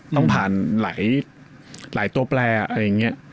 ต้องผ่านหลายตัวแปลอะไรอย่างนี้